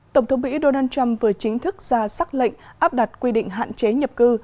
tổng thống mỹ donald trump vừa chính thức ra xác lệnh áp đặt quy định hạn chế nhập cư